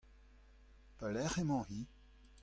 Pelec'h emañ-hi ?